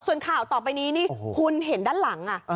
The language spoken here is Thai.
ส่วนข่าวต่อไปนี้นี่คุณเห็นด้านหลัง